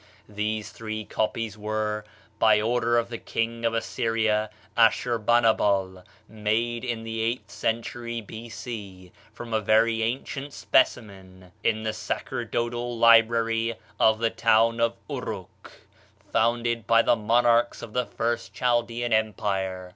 These three copies were, by order of the King of Assyria, Asshurbanabal, made in the eighth century B.C., from a very ancient specimen in the sacerdotal library of the town of Uruk, founded by the monarchs of the first Chaldean empire.